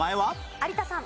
有田さん。